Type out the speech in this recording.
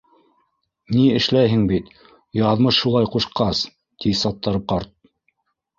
Ни эшләйһең бит, яҙмыш шулай ҡушҡас, — ти Саттар ҡарт.